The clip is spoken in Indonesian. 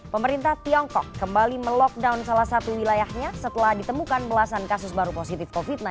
pemerintah tiongkok kembali melockdown salah satu wilayahnya setelah ditemukan belasan kasus baru positif covid sembilan belas